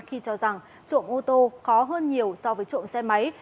khi cho rằng trộm ô tô khó hơn nhiều so với trộm xe máy